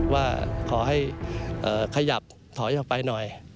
ว่าขอให้ขยับถอยออกไปหน่อย